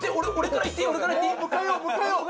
もう迎えよう迎えよう